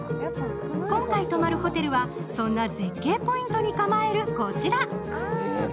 今回泊まるホテルはそんな絶景ポイントに構えるこちら。